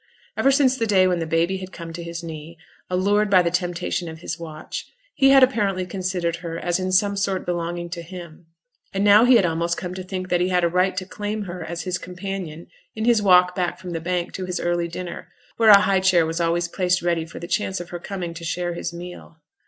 Ever since the day when the baby had come to his knee, allured by the temptation of his watch, he had apparently considered her as in some sort belonging to him; and now he had almost come to think that he had a right to claim her as his companion in his walk back from the Bank to his early dinner, where a high chair was always placed ready for the chance of her coming to share his meal.